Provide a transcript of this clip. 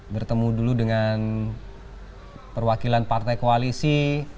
bertemu dulu dengan perwakilan partai koalisi